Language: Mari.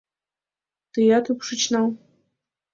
Тыят ӱпшыч нал.